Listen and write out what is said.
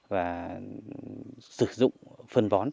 và sử dụng phần vón